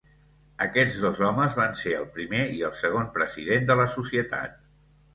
Aquests dos homes van ser el primer i el segon president de la societat.